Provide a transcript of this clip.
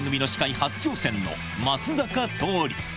初挑戦の松坂桃李。